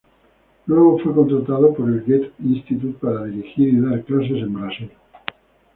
Luego fue contratado por el Goethe Institut para dirigir y dar clases en Brasil.